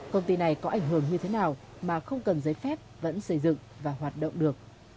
công ty này có ảnh hưởng như thế nào mà không cần giấy phép vẫn xây dựng và hoạt động được